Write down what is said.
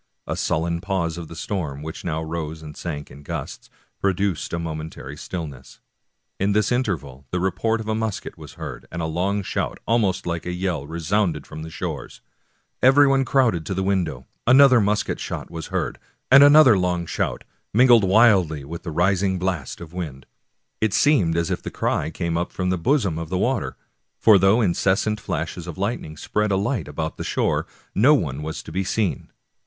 A sullen pause of the storm, which now rose and sank in gusts, produced a momentary stillness. In this interval the report of a musket was heard, and a long shout, almost like a yell, resounded from the shores. Everyone crowded to the window; another musket shot was heard, and another 195 American Mystery Stories long shout, mingled wildly with a rising blast of wind. It seemed as if the cry came up from the bosom of the waters, for though incessant flashes of lightning spread a light about the shore, no one was to be seen.